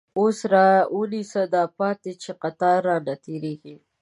اوس را ونیسه دا پاتی، چه قطار رانه تیریږی